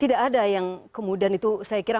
tidak ada yang kemudian itu saya kira